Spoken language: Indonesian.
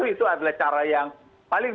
itu adalah cara yang paling